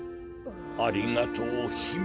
ありがとうひめ。